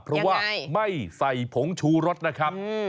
เพราะว่าไม่ใส่ผงชูรสนะครับ